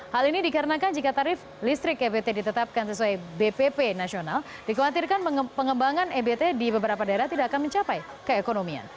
hal ini dikarenakan jika tarif listrik ebt ditetapkan sesuai bpp nasional dikhawatirkan pengembangan ebt di beberapa daerah tidak akan mencapai keekonomian